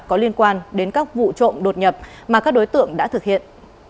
có liên quan đến các vụ trộm đột nhập mà các đối tượng đã thực hiện